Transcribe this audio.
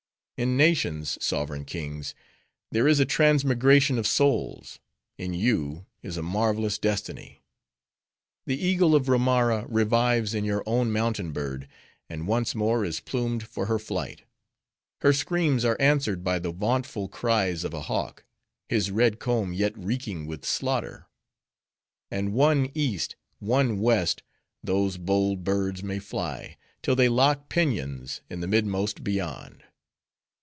"In nations, sovereign kings! there is a transmigration of souls; in you, is a marvelous destiny. The eagle of Romara revives in your own mountain bird, and once more is plumed for her flight. Her screams are answered by the vauntful cries of a hawk; his red comb yet reeking with slaughter. And one East, one West, those bold birds may fly, till they lock pinions in the midmost beyond.